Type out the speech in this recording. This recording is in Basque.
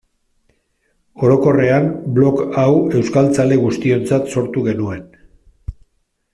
Orokorrean, blog hau euskaltzale guztiontzat sortu genuen.